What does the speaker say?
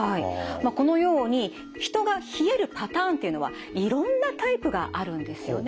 まあこのように人が冷えるパターンっていうのはいろんなタイプがあるんですよね。